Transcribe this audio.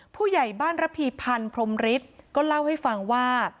ผู้ใหญ่บ้านระพีพันธ์พรมฤทธิ์ก็เล่าให้ฟังว่า